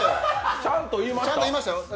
ちゃんと言いましたよ。